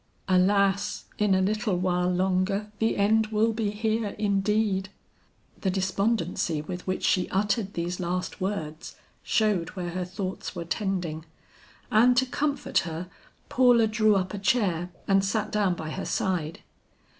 Alas in a little while longer the end will be here indeed!" The despondency with which she uttered these last words showed where her thoughts were tending, and to comfort her, Paula drew up a chair and sat down by her side.